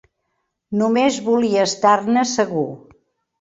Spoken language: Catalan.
Només volia estar-ne segur.